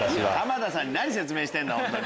田さんに何説明してんだ！